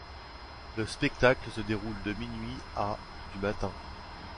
Le spectacle se déroule de minuit à du matin.